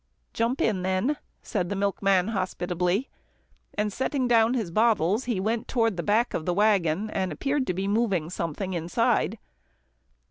"Jump in, then," said the milkman hospitably, and setting down his bottles, he went toward the back of the waggon, and appeared to be moving something inside.